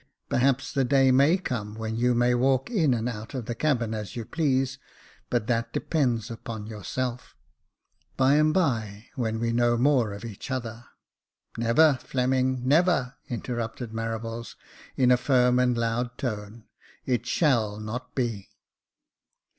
Perhaps the day may come when you may walk in and out of the cabin as you please, but that depends upon yourself. By and bye, when we know more of each other "" Never, Fleming, never !" interrupted Marables, in a firm and loud tone. " It sha/I not be."